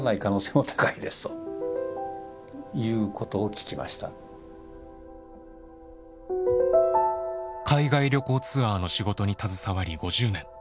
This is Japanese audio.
診断されたのは海外旅行ツアーの仕事に携わり５０年。